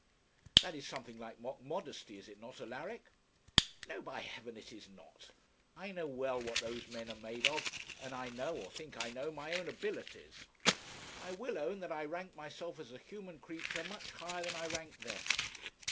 'That is something like mock modesty, is it not, Alaric?' 'No, by heaven, it is not! I know well what those men are made of; and I know, or think I know, my own abilities. I will own that I rank myself as a human creature much higher than I rank them.